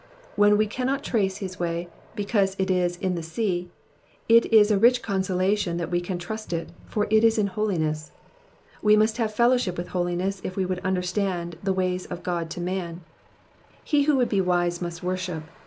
When we cannot trace his way, because it is *' in the sea,^^ it is a rich consolation that we can trust it, for it is in holiness. We must have fellow ship with holiness if we would understand the ways of God to man.^^ He who would be wise must worship.